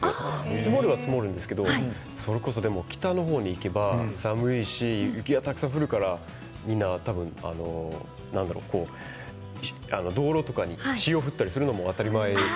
積もるのは積もるんですけれどそれこそ北の方に行けば寒いし雪がたくさん降るからみんな多分、道路とかに塩を振ったりするのも当たり前。